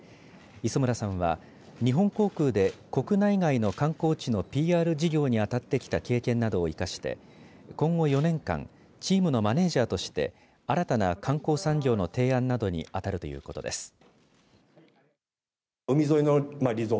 磯村さんは日本航空で国内外の観光地のＰＲ事業にあたってきた経験などを生かして今後４年間、チームのマネージャーとして新たな観光産業の提案などにあたるということです。